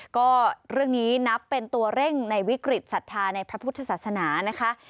ก็เรื่องนี้นับเป็นตัวเร่งในวิกฤตศรัทธาในพระพุทธศาสนานะคะ